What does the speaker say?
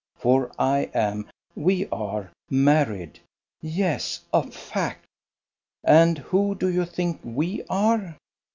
For I am we are married. Yes; a fact. And who do you think we are?